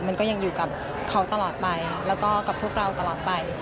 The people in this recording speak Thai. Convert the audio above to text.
มันก็ยังอยู่กับเขาตลอดไปแล้วก็กับพวกเราตลอดไป